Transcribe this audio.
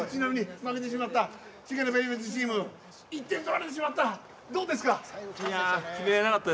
負けてしまったシェキナベイビーズチーム１点取られてしまったどうですか。